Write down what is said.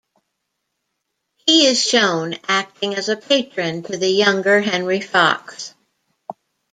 He is shown acting as a patron to the younger Henry Fox.